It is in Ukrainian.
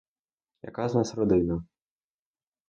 Яка з нас родина?